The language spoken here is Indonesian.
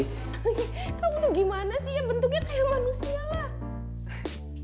kamu tuh gimana sih ya bentuknya kayak manusia lah